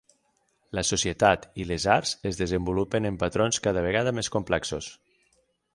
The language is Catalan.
La societat i les arts es desenvolupen en patrons cada vegada més complexos.